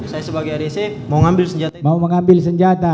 saya sebagai rec mau mengambil senjata